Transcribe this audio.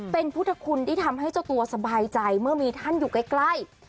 เป็นพุทธคุณที่ทำให้เจ้าตัวสบายใจเมื่อมีท่านอยู่ใกล้